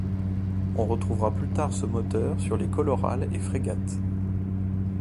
On retrouvera plus tard ce moteur sur les Colorale et Frégate.